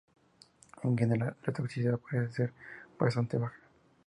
En general, la toxicidad parece ser bastante baja.